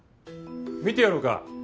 見てやろうか。